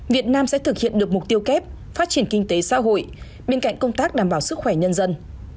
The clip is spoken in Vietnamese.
việt nam sẽ thực hiện được mục tiêu kép phát triển kinh tế xã hội bên cạnh công tác đảm bảo sức khỏe nhân dân